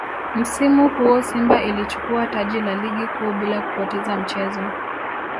Msimu huo Simba ilichukua taji la Ligi Kuu bila kupoteza mchezo